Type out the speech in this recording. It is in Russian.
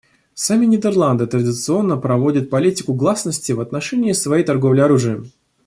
Сами Нидерланды традиционно проводят политику гласности в отношении своей торговли оружием.